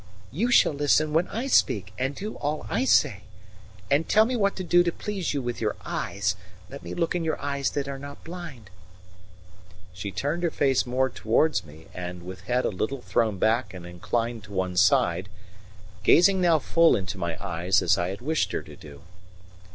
"You shall listen when I speak, and do all I say. And tell me what to do to please you with your eyes let me look in your eyes that are not blind." She turned her face more towards me and with head a little thrown back and inclined to one side, gazing now full into my eyes as I had wished her to do.